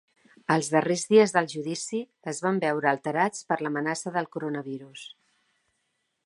Els darrers dies del judici es van veure alterats per l’amenaça del coronavirus.